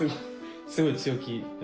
すごい強気で。